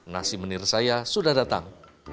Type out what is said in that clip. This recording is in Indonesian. nasi menir saya sudah datang